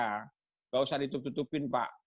nggak usah ditutup tutupin pak